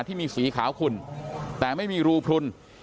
ที่มีสีขาวขุ่นแต่ไม่มีรูพลุน